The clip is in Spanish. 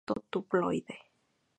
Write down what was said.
Circula en formato tabloide.